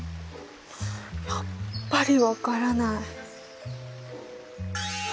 やっぱり分からない。